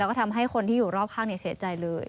แล้วก็ทำให้คนที่อยู่รอบข้างเสียใจเลย